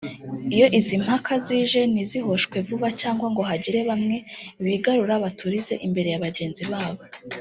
Iyo izi mpaka zije ntizihoshwe vuba cyangwa ngo hagire bamwe bigarura baturize imbere ya bagenzi babo